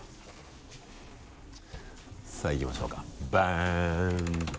さぁいきましょうかバン。